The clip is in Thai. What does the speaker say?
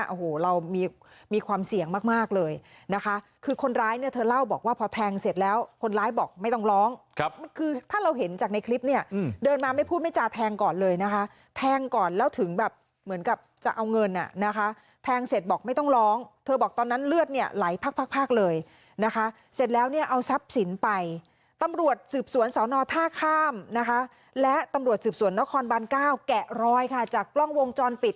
โอ้โหเรามีความเสี่ยงมากเลยนะคะคือคนร้ายเนี่ยเธอเล่าบอกว่าพอแทงเสร็จแล้วคนร้ายบอกไม่ต้องร้องคือถ้าเราเห็นจากในคลิปเนี่ยเดินมาไม่พูดไม่จ่าแทงก่อนเลยนะคะแทงก่อนแล้วถึงแบบเหมือนกับจะเอาเงินอ่ะนะคะแทงเสร็จบอกไม่ต้องร้องเธอบอกตอนนั้นเลือดเนี่ยไหลพักเลยนะคะเสร็จแล้วเนี่ยเอาซับสินไปตำรวจสืบสวน